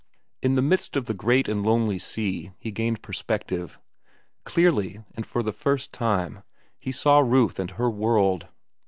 In the midst of the great and lonely sea he gained perspective. Clearly, and for the first time, he saw Ruth and her world.